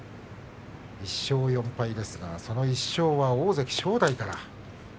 １勝４敗ですがその１勝は大関正代から。